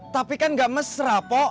tapi kan gak mesra pok